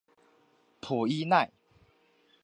普伊奈。